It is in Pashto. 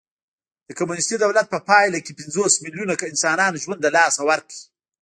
د کمونېستي دولت په پایله کې پنځوس میلیونو انسانانو ژوند له لاسه ورکړ